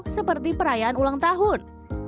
seperti perayaan ulang tahun